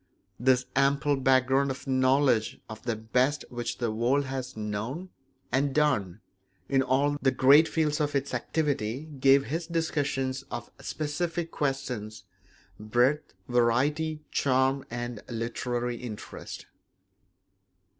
This ample background of knowledge of the best which the world has known and done in all the great fields of its activity gave his discussions of specific questions breadth, variety, charm, and literary interest.